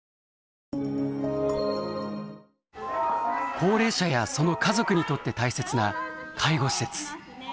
高齢者やその家族にとって大切な介護施設。